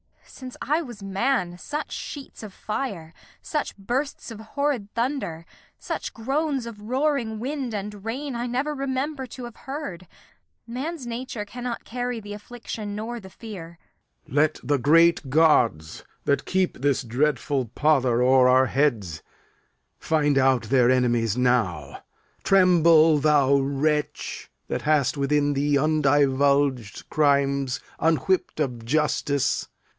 Since I was man, Such sheets of fire, such bursts of horrid thunder, Such groans of roaring wind and rain, I never Remember to have heard. Man's nature cannot carry Th' affliction nor the fear. Lear. Let the great gods, That keep this dreadful pudder o'er our heads, Find out their enemies now. Tremble, thou wretch, That hast within thee undivulged crimes Unwhipp'd of justice.